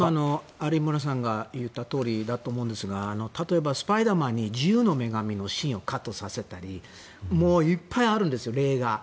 有村さんが言ったとおりだと思うんですが例えば「スパイダーマン」に自由の女神のシーンをカットさせたりいっぱいあるんですよ、例が。